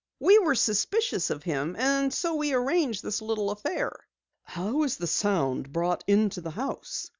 We were suspicious of him, and so we arranged this little affair." "How is the sound brought into the house?"